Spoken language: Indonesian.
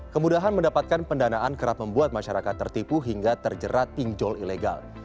kemudahan mendapatkan pendanaan kerap membuat masyarakat tertipu hingga terjerat pinjol ilegal